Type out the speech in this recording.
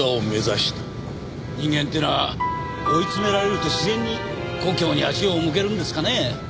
人間っていうのは追いつめられると自然に故郷に足を向けるんですかねえ？